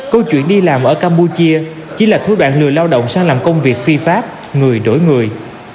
câu chuyện đi làm ở campuchia chỉ là thú đoạn lừa lao động sang làm công việc phi pháp người đổi người